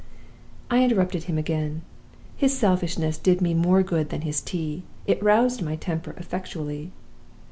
"I interrupted him again. His selfishness did me more good than his tea: it roused my temper effectually.